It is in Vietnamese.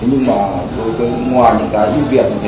nhưng mà đối với ngoài những cái du viện